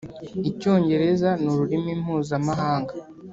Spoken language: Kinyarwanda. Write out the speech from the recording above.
Icyongereza ni ururimi mpuzamahanga